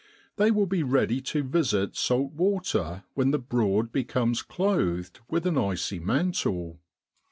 They will be ready to visit salt water when the Broad becomes clothed with an icy mantle.